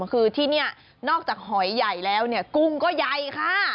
คือที่นี่นอกจากหอยใหญ่แล้วเนี่ยกุ้งก็ใหญ่ค่ะ